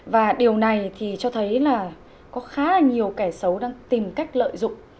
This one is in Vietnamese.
và điều này thì cho thấy là có khá là nhiều kẻ xấu đang tìm cách lợi dụng